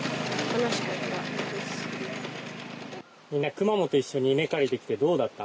くまモンと一緒に稲刈りできてどうだった。